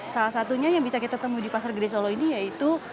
salah satunya yang bisa kita temui di pasar gede solo ini yaitu